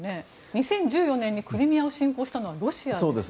２０１４年にクリミアを侵攻したのはロシアですよね。